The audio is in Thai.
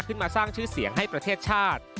ขึ้นมาสร้างชื่อเสียงให้ประเทศชาติ